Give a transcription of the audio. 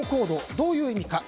どういう意味か。